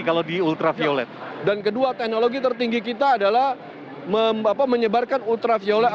kalau di ultraviolet dan kedua teknologi tertinggi kita adalah menyebarkan ultraviolet